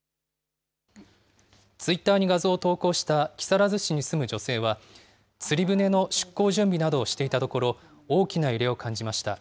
ツイッターに画像を投稿した木更津市に住む女性は、釣り船の出航準備などをしていたところ大きな揺れを感じました。